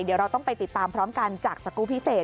เดี๋ยวเราต้องไปติดตามพร้อมกันจากสกูลพิเศษ